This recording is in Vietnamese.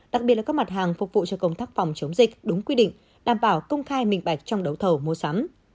đặc biệt là các mặt hàng phục vụ cho công tác phòng chống dịch đúng quy định đảm bảo công khai minh bạch trong đấu thầu mua sắm